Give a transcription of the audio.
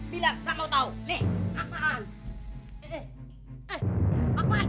bila nggak mau tahu nih apaan